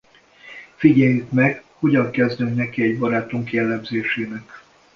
Figyeljük meg hogyan kezdünk neki egy barátunk jellemzésének.